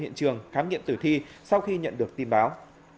hiện trường khám nghiệm tử thi sau khi nhận được tin báo